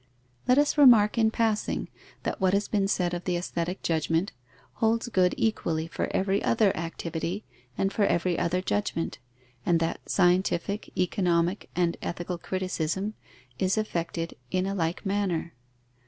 _ Let us remark in passing that what has been said of the aesthetic judgment holds good equally for every other activity and for every other judgment; and that scientific, economic, and ethical criticism is effected in a like manner.